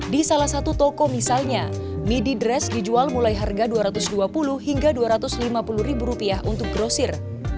di salah satu toko misalnya midi dress dijual mulai harga rp dua ratus dua puluh hingga rp dua ratus lima puluh ribu rupiah untuk grosir